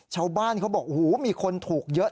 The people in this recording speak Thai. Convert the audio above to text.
เขาบอกโอ้โหมีคนถูกเยอะ